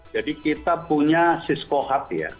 jadi kita punya cisco heart ya